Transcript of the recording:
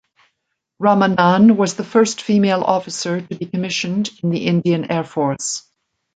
Ramanan was the first female officer to be commissioned in the Indian Air Force.